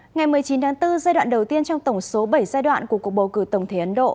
ngày một mươi chín tháng bốn giai đoạn đầu tiên trong tổng số bảy giai đoạn của cuộc bầu cử tổng thể ấn độ